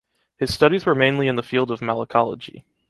His studies were mainly in the field of malacology.